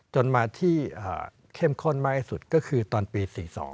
จนมาที่เข้มข้นมากที่สุดก็คือตอนปี๔๒